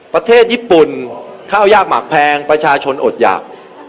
ประเทศญี่ปุ่นข้าวยากหมักแพงประชาชนอดหยาก